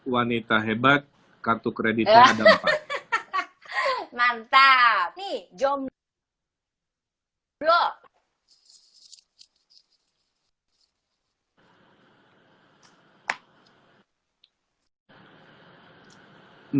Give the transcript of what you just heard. wanita hebat kartu kreditnya mantap nih jom blog